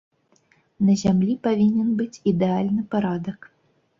На зямлі павінен быць ідэальны парадак.